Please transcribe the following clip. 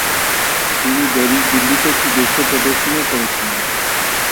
তিনি দিল্লিতে একটি দেশীয় প্রদর্শনীও করেছিলেন।